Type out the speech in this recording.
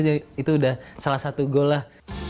jadi itu udah salah satu goal lah